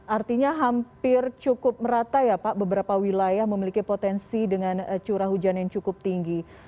artinya hampir cukup merata ya pak beberapa wilayah memiliki potensi dengan curah hujan yang cukup tinggi